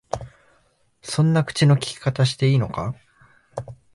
そんな口の利き方していいのか？